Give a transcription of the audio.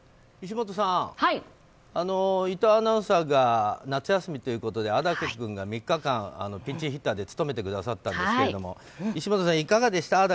石本さん、伊藤アナウンサーが夏休みということで、安宅君が３日間、ピンチヒッターで務めてくださったんですが石本さんいかがでした？